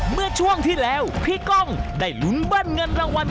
เมื่อช่วงที่แล้วพี่ก้องได้ลุ้นเบิ้ลเงินรางวัล